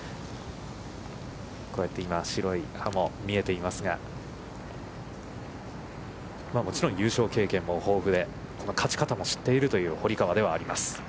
こうやって今、白い歯も見えていますが、もちろん優勝経験も豊富で、勝ち方も知っているという堀川ではあります。